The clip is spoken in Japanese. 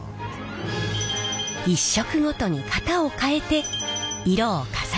１色ごとに型を変えて色を重ねていきます。